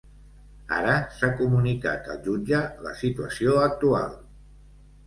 Ara s’ha comunicat el jutge la situació actual.